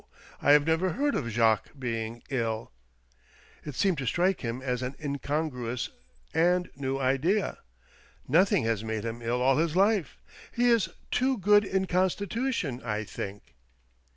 I have never heard of Jacques being ill." It seemed to strike him as an incon gruous and new idea. " Nothing has made him ill all his life — he is too good in constitution, I think."